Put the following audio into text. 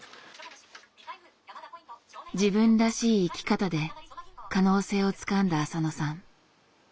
自分らしい生き方で可能性をつかんだ浅野さん。